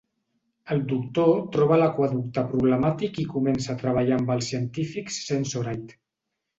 El Doctor troba l'aqüeducte problemàtic i comença a treballar amb els científics Sensorite.